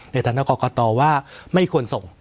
ในฐานะกรกตว่าไม่ควรส่ง